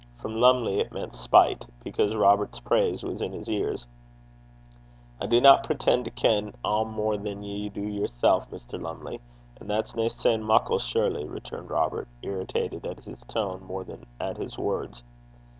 From Lumley it meant spite, because Robert's praise was in his ears. 'I dinna preten' to ken ae hair mair than ye do yersel', Mr. Lumley; and that's nae sayin' muckle, surely,' returned Robert, irritated at his tone more than at his words.